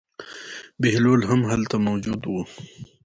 بهلول هم هلته موجود و.